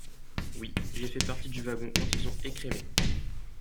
Oui, j’ai fait partie du wagon quand ils ont écrémé.